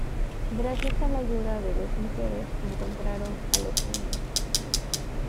Gracias a la ayuda de dos mujeres encontraron alojamiento.